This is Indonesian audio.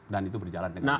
dan itu berjalan dengan baik